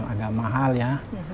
agak mahal ya